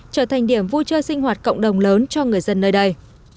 trở thành điểm vui chơi sinh hoạt cộng đồng lớn cho người dân nơi đây